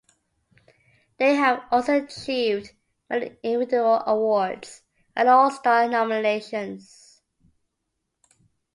They have also achieved many individual awards and All-Star nominations.